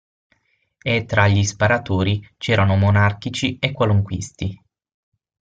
E tra gli sparatori c'erano monarchici e qualunquisti.